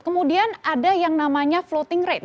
kemudian ada yang namanya floating rate